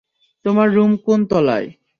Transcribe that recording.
তোমার রুম কোন তলায়?